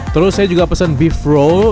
terus saya juga pesen beef row